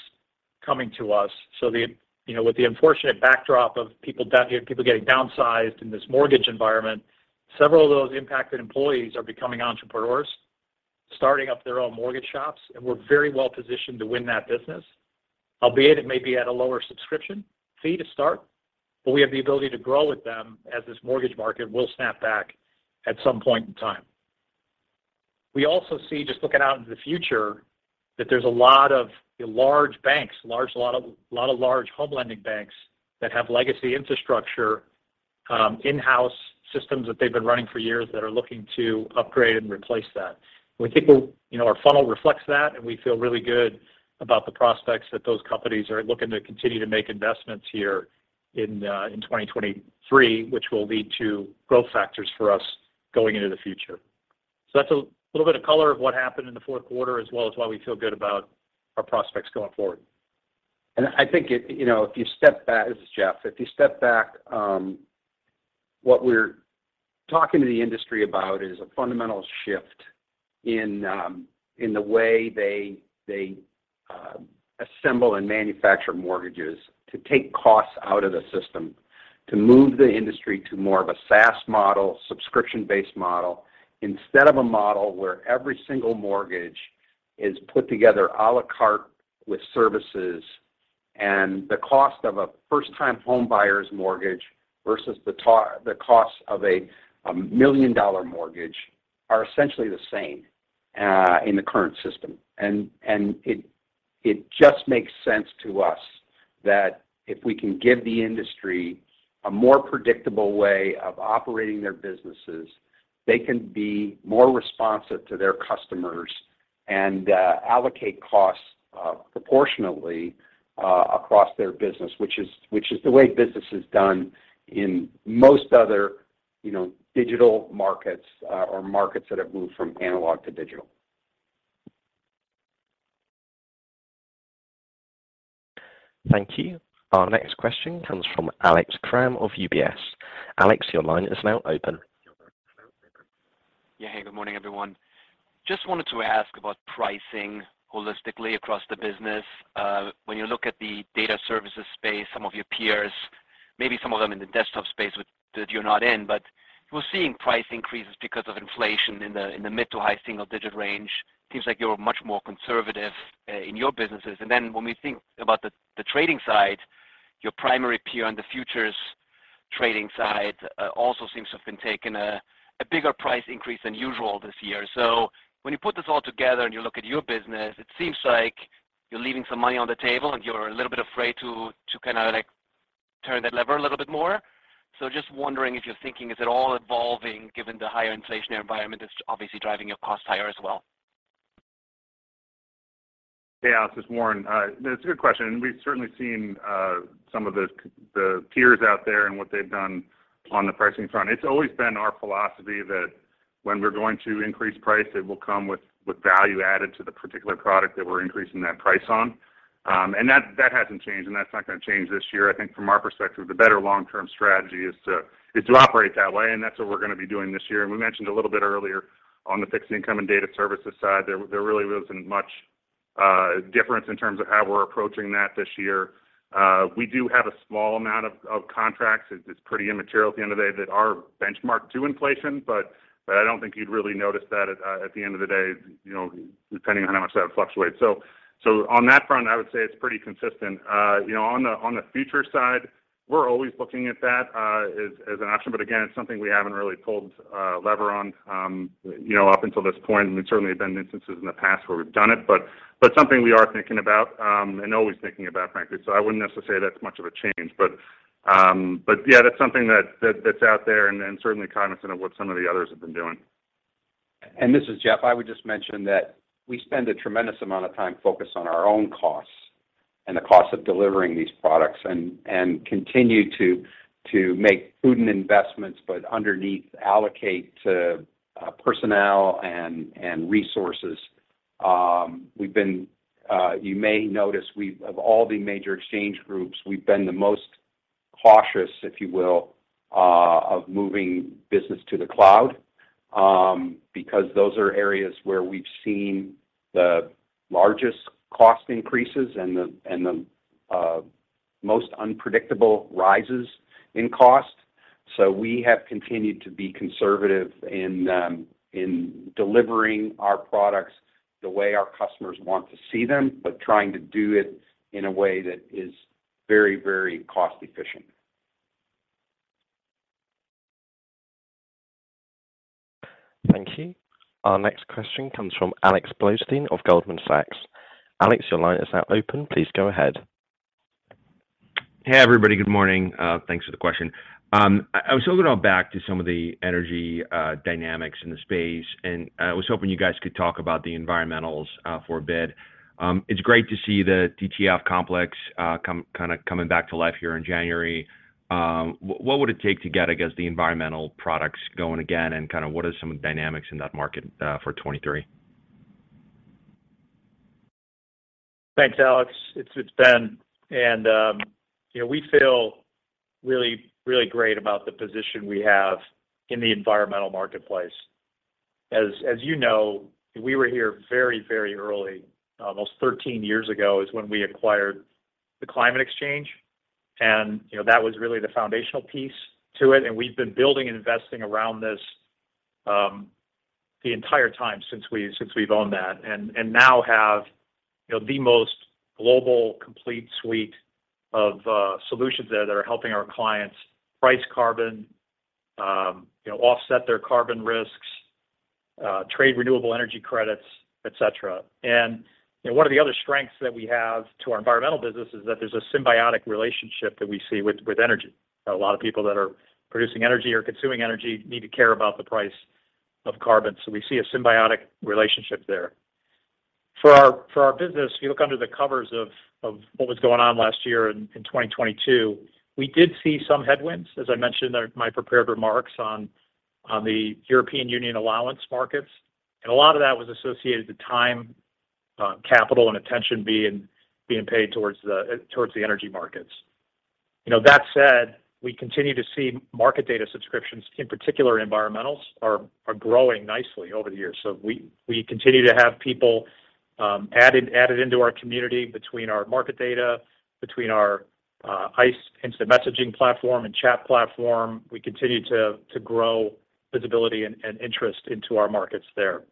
coming to us. The, you know, with the unfortunate backdrop of people getting downsized in this mortgage environment, several of those impacted employees are becoming entrepreneurs, starting up their own mortgage shops, and we're very well-positioned to win that business. Albeit it may be at a lower subscription fee to start, but we have the ability to grow with them as this mortgage market will snap back at some point in time. We also see, just looking out into the future, that there's a lot of large banks, a lot of large home lending banks that have legacy infrastructure, in-house systems that they've been running for years that are looking to upgrade and replace that. We think we'll... You know, our funnel reflects that, we feel really good about the prospects that those companies are looking to continue to make investments here in 2023, which will lead to growth factors for us going into the future. That's a little bit of color of what happened in the Q4, as well as why we feel good about our prospects going forward. I think it, you know, if you step back, this is Jeff. If you step back, what we're talking to the industry about is a fundamental shift in the way they assemble and manufacture mortgages to take costs out of the system, to move the industry to more of a SaaS model, subscription-based model, instead of a model where every single mortgage is put together à la carte with services. The cost of a first-time homebuyer's mortgage versus the cost of a $1 million mortgage are essentially the same in the current system. It just makes sense to us that if we can give the industry a more predictable way of operating their businesses, they can be more responsive to their customers and allocate costs proportionately across their business, which is the way business is done in most other, you know, digital markets or markets that have moved from analog to digital. Thank you. Our next question comes from Alex Kramm of UBS. Alex, your line is now open. Hey, good morning, everyone. Just wanted to ask about pricing holistically across the business. When you look at the data services space, some of your peers, maybe some of them in the desktop space that you're not in, but we're seeing price increases because of inflation in the mid to high single-digit % range. Seems like you're much more conservative in your businesses. When we think about the trading side, your primary peer on the futures trading side, also seems to have been taking a bigger price increase than usual this year. When you put this all together and you look at your business, it seems like you're leaving some money on the table and you're a little bit afraid to kind of like turn that lever a little bit more. Just wondering if you're thinking, is it all evolving given the higher inflationary environment that's obviously driving your cost higher as well? This is Warren. It's a good question, we've certainly seen some of the peers out there and what they've done on the pricing front. It's always been our philosophy that when we're going to increase price, it will come with value added to the particular product that we're increasing that price on. That hasn't changed, and that's not going to change this year. I think from our perspective, the better long-term strategy is to operate that way, and that's what we're going to be doing this year. We mentioned a little bit earlier on the fixed income and data services side, there really wasn't much difference in terms of how we're approaching that this year. We do have a small amount of contracts, it's pretty immaterial at the end of the day, that are benchmarked to inflation, but I don't think you'd really notice that at the end of the day, you know, depending on how much that fluctuates. On that front, I would say it's pretty consistent. You know, on the future side, we're always looking at that, as an option. Again, it's something we haven't really pulled a lever on, you know, up until this point. There certainly have been instances in the past where we've done it. Something we are thinking about, and always thinking about, frankly. I wouldn't necessarily say that's much of a change. Yeah, that's something that's out there and certainly cognizant of what some of the others have been doing. This is Jeff. I would just mention that we spend a tremendous amount of time focused on our own costs and the cost of delivering these products and continue to make prudent investments, but underneath allocate to personnel and resources. We've been, you may notice we've been of all the major exchange groups, the most cautious, if you will, of moving business to the cloud, because those are areas where we've seen the largest cost increases and the most unpredictable rises in cost. We have continued to be conservative in delivering our products the way our customers want to see them, but trying to do it in a way that is very, very cost efficient. Thank you. Our next question comes from Alexander Blostein of Goldman Sachs. Alex, your line is now open. Please go ahead. Hey everybody. Good morning. Thanks for the question. I was hoping to hop back to some of the energy dynamics in the space, and I was hoping you guys could talk about the environmentals for a bit. It's great to see the TTF complex coming back to life here in January. What would it take to get, I guess, the environmental products going again and kinda what are some of the dynamics in that market for 2023? Thanks, Alex. It's Ben. You know, we feel really, really great about the position we have in the environmental marketplace. As you know, we were here very, very early. Almost 13 years ago is when we acquired the Climate Exchange and, you know, that was really the foundational piece to it, and we've been building and investing around this the entire time since we've owned that and now have, you know, the most global complete suite of solutions there that are helping our clients price carbon, you know, offset their carbon risks, trade Renewable Energy credits, et cetera. You know, one of the other strengths that we have to our environmental business is that there's a symbiotic relationship that we see with energy. A lot of people that are producing energy or consuming energy need to care about the price of carbon. We see a symbiotic relationship there. For our business, if you look under the covers of what was going on last year in 2022, we did see some headwinds, as I mentioned in my prepared remarks on the European Union allowance markets. A lot of that was associated to time, capital and attention being paid towards the energy markets. You know, that said, we continue to see market data subscriptions, in particular environmentals, are growing nicely over the years. We continue to have people added into our community between our market data, between our ICE instant messaging platform and chat platform. We continue to grow visibility and interest into our markets there.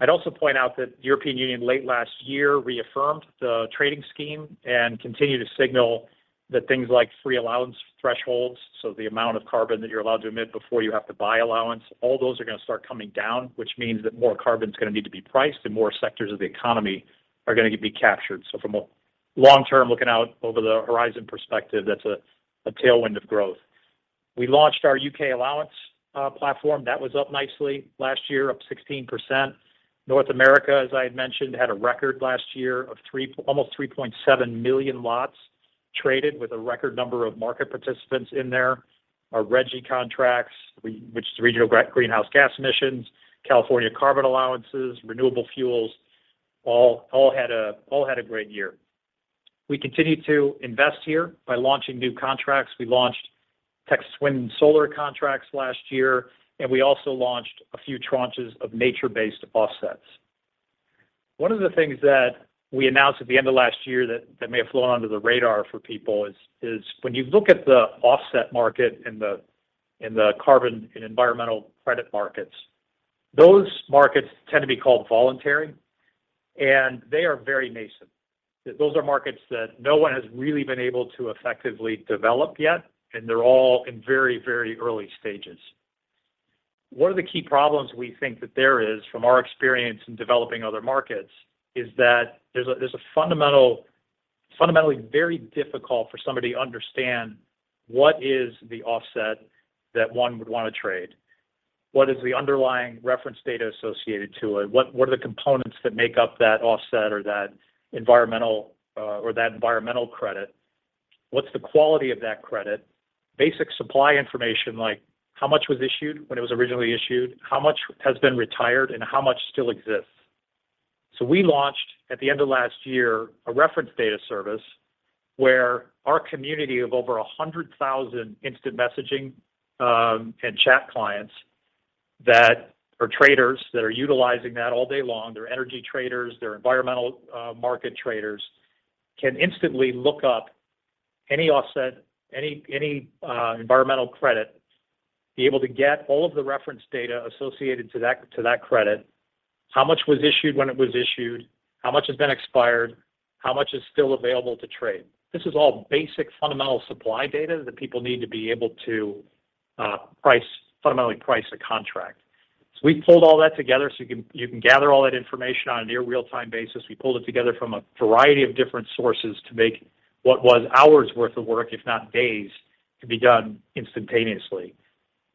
I'd also point out that the European Union late last year reaffirmed the trading scheme and continued to signal that things like free allowance thresholds, so the amount of carbon that you're allowed to emit before you have to buy allowance, all those are gonna start coming down, which means that more carbon is gonna need to be priced and more sectors of the economy are gonna be captured. From a long term, looking out over the horizon perspective, that's a tailwind of growth. We launched our UK allowance platform. That was up nicely last year, up 16%. North America, as I had mentioned, had a record last year of almost 3.7 million lots traded with a record number of market participants in there. Our RGGI contracts, which is Regional Greenhouse Gas emissions, California Carbon Allowances, renewable fuels, all had a great year. We continued to invest here by launching new contracts. We launched Texas Wind solar contracts last year, and we also launched a few tranches of nature-based offsets. One of the things that we announced at the end of last year that may have flown under the radar for people is when you look at the offset market in the carbon and environmental credit markets, those markets tend to be called voluntary, and they are very nascent. Those are markets that no one has really been able to effectively develop yet, and they're all in very early stages. One of the key problems we think that there is from our experience in developing other markets is that there's a fundamentally very difficult for somebody to understand what is the offset that one would want to trade. What is the underlying reference data associated to it? What are the components that make up that offset or that environmental or that environmental credit? What's the quality of that credit? Basic supply information like how much was issued when it was originally issued, how much has been retired, and how much still exists. We launched at the end of last year a reference data service where our community of over 100,000 instant messaging and chat clients that are traders, that are utilizing that all day long, they're energy traders, they're environmental market traders, can instantly look up any offset, any environmental credit, be able to get all of the reference data associated to that credit, how much was issued when it was issued, how much has been expired, how much is still available to trade. This is all basic fundamental supply data that people need to be able to price, fundamentally price a contract. We pulled all that together so you can gather all that information on a near real-time basis. We pulled it together from a variety of different sources to make what was hours worth of work,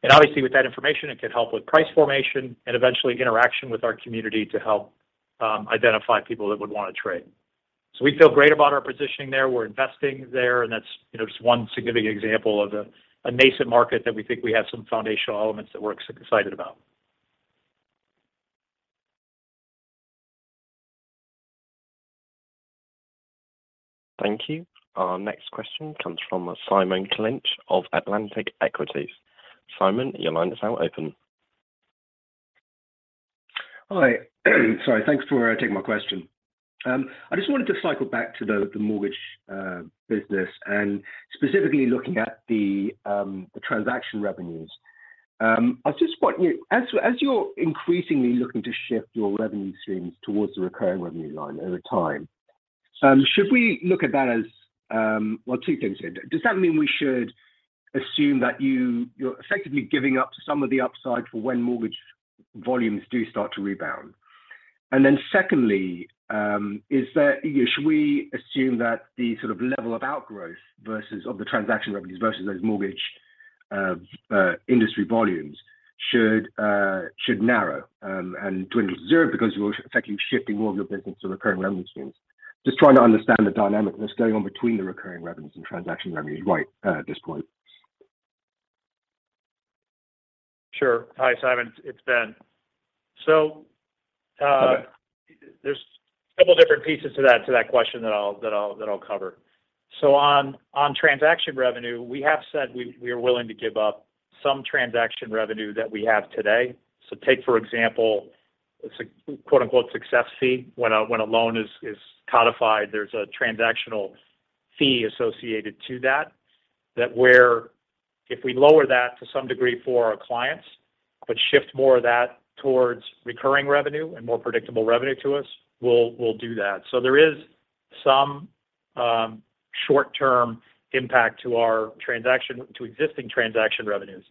if not days, to be done instantaneously. Obviously with that information, it can help with price formation and eventually interaction with our community to help identify people that would want to trade. We feel great about our positioning there. We're investing there, and that's, you know, just one significant example of a nascent market that we think we have some foundational elements that we're excited about. Thank you. Our next question comes from Simon Clinch of Atlantic Equities. Simon, your line is now open. Hi. Sorry. Thanks for taking my question. I just wanted to cycle back to the mortgage business and specifically looking at the transaction revenues. I was just wondering, as you're increasingly looking to shift your revenue streams towards the recurring revenue line over time, should we look at that as? Well, two things there. Does that mean we should assume that you're effectively giving up some of the upside for when mortgage volumes do start to rebound? Secondly, is that, you know, should we assume that the sort of level of outgrowth versus of the transaction revenues versus those mortgage industry volumes should narrow and to zero because you're effectively shifting more of your business to recurring revenue streams? Just trying to understand the dynamic that's going on between the recurring revenues and transaction revenues right at this point. Sure. Hi, Simon. It's Ben. There's a couple different pieces to that question that I'll cover. On transaction revenue, we have said we are willing to give up some transaction revenue that we have today. Take for example, a quote-unquote, "success fee." When a loan is codified, there's a transactional fee associated to that where if we lower that to some degree for our clients, but shift more of that towards recurring revenue and more predictable revenue to us, we'll do that. There is some short-term impact to our existing transaction revenues.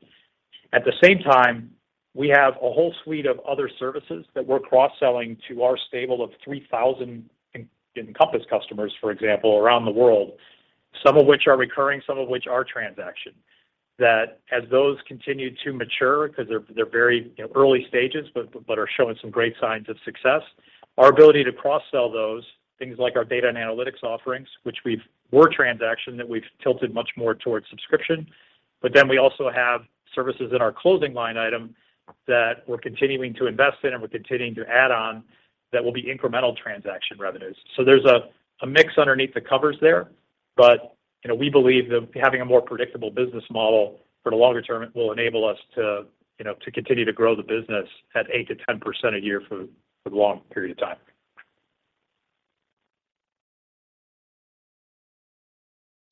At the same time, we have a whole suite of other services that we're cross-selling to our stable of 3,000 Encompass customers, for example, around the world. Some of which are recurring, some of which are transaction. As those continue to mature, 'cause they're very, you know, early stages, but are showing some great signs of success. Our ability to cross-sell those things like our data and analytics offerings. Were transaction that we've tilted much more towards subscription. We also have services in our closing line item that we're continuing to invest in and we're continuing to add on that will be incremental transaction revenues. There's a mix underneath the covers there. You know, we believe that having a more predictable business model for the longer term will enable us to, you know, to continue to grow the business at 8%-10% a year for the long period of time.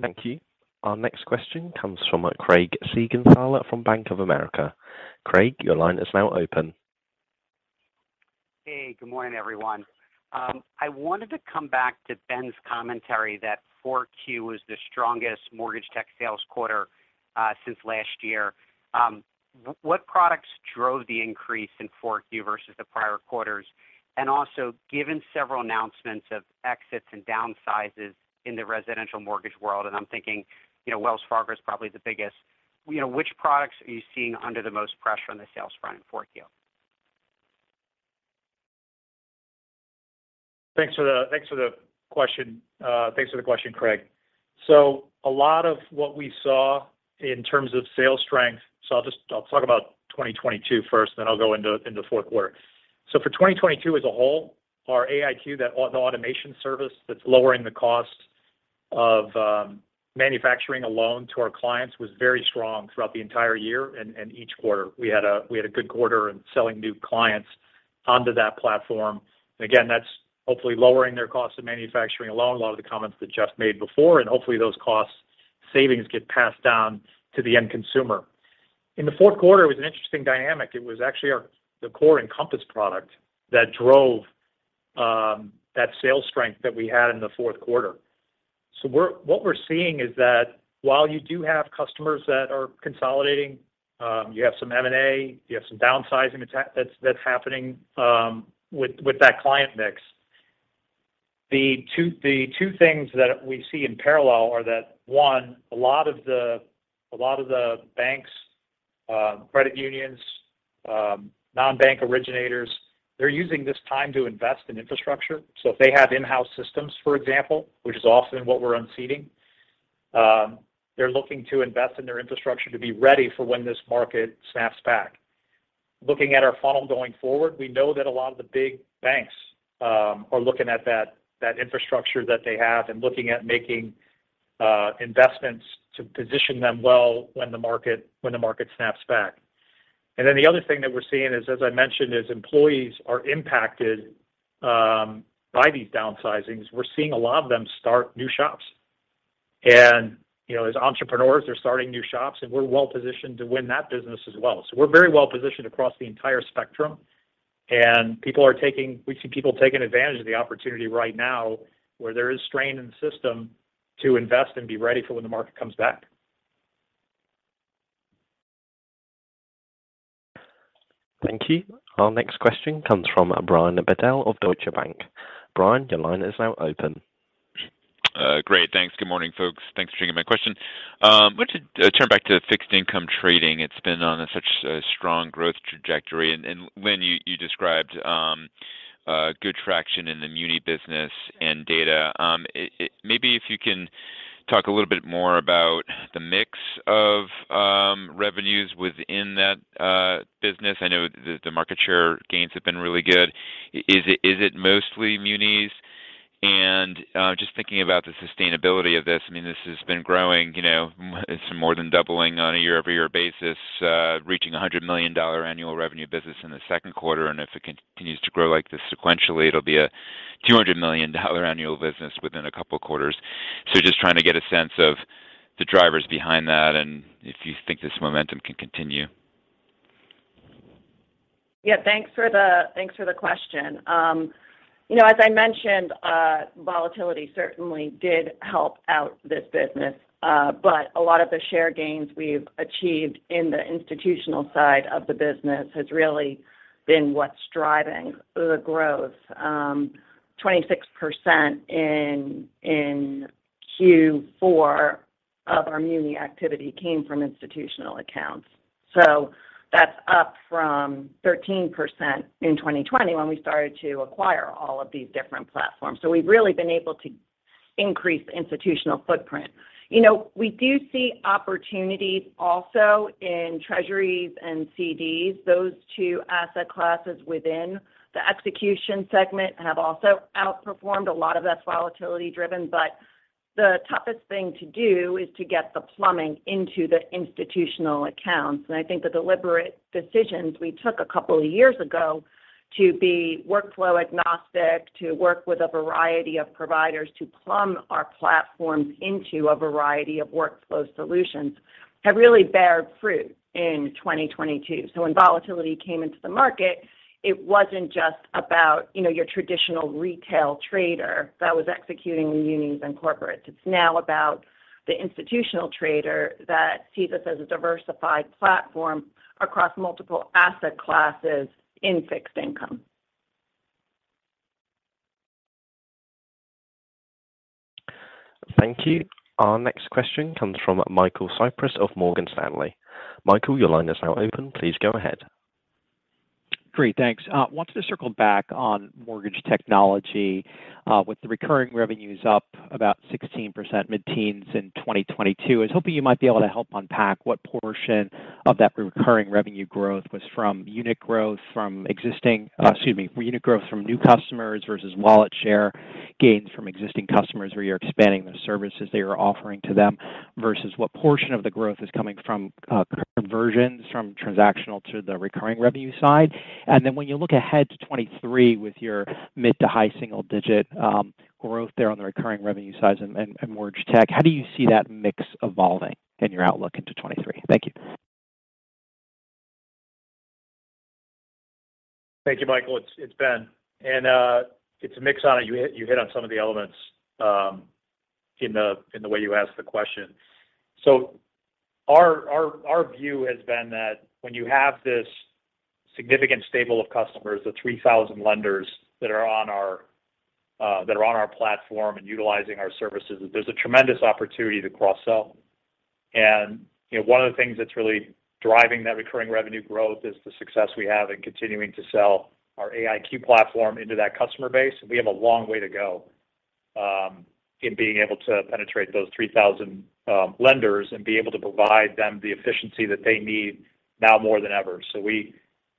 Thank you. Our next question comes from Craig Siegenthaler from Bank of America. Craig, your line is now open. Hey, good morning, everyone. I wanted to come back to Ben's commentary that 4Q was the strongest mortgage tech sales quarter since last year. What products drove the increase in 4Q versus the prior quarters? Given several announcements of exits and downsizes in the residential mortgage world, and I'm thinking, you know, Wells Fargo is probably the biggest, you know, which products are you seeing under the most pressure on the sales front in 4Q? Thanks for the question. Thanks for the question, Craig. A lot of what we saw in terms of sales strength... I'll talk about 2022 first, then I'll go into Q4. For 2022 as a whole, our AIQ, that automation service that's lowering the cost of manufacturing a loan to our clients, was very strong throughout the entire year and each quarter. We had a good quarter in selling new clients onto that platform. Again, that's hopefully lowering their cost of manufacturing a loan, a lot of the comments that Jeff made before. Hopefully those cost savings get passed down to the end consumer. In the Q4, it was an interesting dynamic. It was actually the core Encompass product that drove that sales strength that we had in the Q4. What we're seeing is that while you do have customers that are consolidating, you have some M&A, you have some downsizing that's happening with that client mix. The two things that we see in parallel are that, one, a lot of the banks, credit unions, non-bank originators, they're using this time to invest in infrastructure. If they have in-house systems, for example, which is often what we're unseating, they're looking to invest in their infrastructure to be ready for when this market snaps back. Looking at our funnel going forward, we know that a lot of the big banks are looking at that infrastructure that they have and looking at making investments to position them well when the market snaps back. The other thing that we're seeing is, as I mentioned, is employees are impacted by these downsizings. We're seeing a lot of them start new shops. You know, as entrepreneurs, they're starting new shops, and we're well-positioned to win that business as well. We're very well-positioned across the entire spectrum. We see people taking advantage of the opportunity right now where there is strain in the system to invest and be ready for when the market comes back. Thank you. Our next question comes from Brian Bedell of Deutsche Bank. Brian, your line is now open. Great. Thanks. Good morning, folks. Thanks for taking my question. Want to turn back to fixed income trading. It's been on such a strong growth trajectory. Lynn, you described good traction in the muni business and data. Maybe if you can talk a little bit more about the mix of revenues within that business. I know the market share gains have been really good. Is it mostly munis? Just thinking about the sustainability of this. I mean, this has been growing, you know, it's more than doubling on a year-over-year basis, reaching a $100 million annual revenue business in the Q2. If it continues to grow like this sequentially, it'll be a $200 million annual business within a couple of quarters. Just trying to get a sense of the drivers behind that and if you think this momentum can continue? Yeah. Thanks for the question. You know, as I mentioned, volatility certainly did help out this business. A lot of the share gains we've achieved in the institutional side of the business has really been what's driving the growth. 26% in Q4 of our muni activity came from institutional accounts. That's up from 13% in 2020, when we started to acquire all of these different platforms. We've really been able to increase institutional footprint. You know, we do see opportunities also in treasuries and CDs. Those two asset classes within the execution segment have also outperformed. A lot of that's volatility-driven, but the toughest thing to do is to get the plumbing into the institutional accounts. I think the deliberate decisions we took a couple of years ago to be workflow agnostic, to work with a variety of providers to plumb our platforms into a variety of workflow solutions have really bear fruit in 2022. When volatility came into the market, it wasn't just about, you know, your traditional retail trader that was executing munis and corporates. It's now about the institutional trader that sees us as a diversified platform across multiple asset classes in fixed income. Thank you. Our next question comes from Michael Cyprys of Morgan Stanley. Michael, your line is now open. Please go ahead. Great. Thanks. Wanted to circle back on mortgage technology, with the recurring revenues up about 16% mid-teens in 2022. I was hoping you might be able to help unpack what portion of that recurring revenue growth was from unit growth from new customers versus wallet share gains from existing customers where you're expanding the services that you're offering to them, versus what portion of the growth is coming from conversions from transactional to the recurring revenue side. When you look ahead to 2023 with your mid-to-high single-digit growth there on the recurring revenue size and mortgage tech, how do you see that mix evolving in your outlook into 2023? Thank you. Thank you, Michael. It's Ben. It's a mix on it. You hit on some of the elements in the way you asked the question. Our view has been that when you have this significant stable of customers, the 3,000 lenders that are on our platform and utilizing our services, there's a tremendous opportunity to cross-sell. You know, one of the things that's really driving that recurring revenue growth is the success we have in continuing to sell our AIQ platform into that customer base. We have a long way to go in being able to penetrate those 3,000 lenders and be able to provide them the efficiency that they need now more than ever. We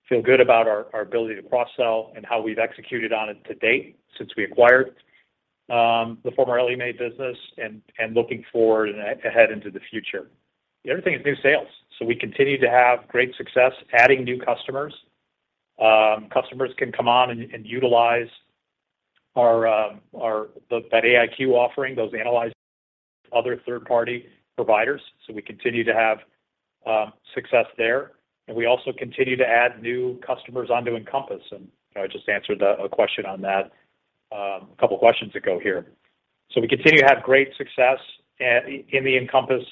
feel good about our ability to cross-sell and how we've executed on it to date since we acquired the former Ellie Mae business and looking forward and ahead into the future. The other thing is new sales. We continue to have great success adding new customers. Customers can come on and utilize our AIQ offering, those analyzed other third-party providers. We continue to have success there. We also continue to add new customers onto Encompass, and I just answered question on that couple of questions ago here. We continue to have great success in the Encompass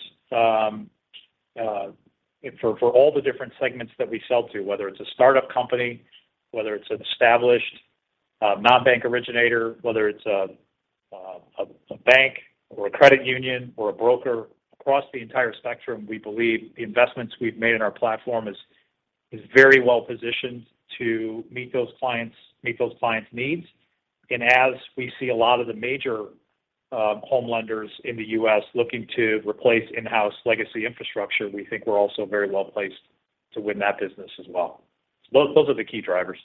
for all the different segments that we sell to, whether it's a startup company, whether it's an established non-bank originator, whether it's a bank or a credit union or a broker. Across the entire spectrum, we believe the investments we've made in our platform is very well-positioned to meet those clients' needs. As we see a lot of the major home lenders in the U.S. looking to replace in-house legacy infrastructure, we think we're also very well-placed to win that business as well. Those are the key drivers.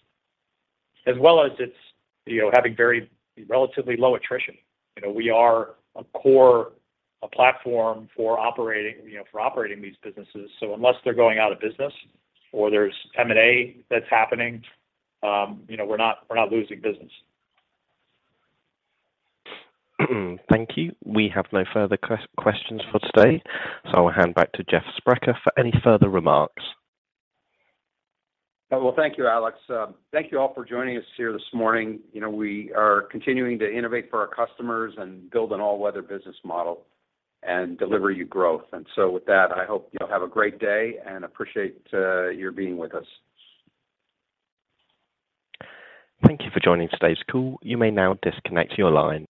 As well as it's, you know, having very relatively low attrition. You know, we are a core platform for operating, you know, these businesses. Unless they're going out of business or there's M&A that's happening, you know, we're not losing business. Thank you. We have no further questions for today. I'll hand back to Jeff Sprecher for any further remarks. Well, thank you, Alex. Thank you all for joining us here this morning. You know, we are continuing to innovate for our customers and build an all-weather business model and deliver you growth. With that, I hope you'll have a great day and appreciate your being with us. Thank you for joining today's call. You may now disconnect your line.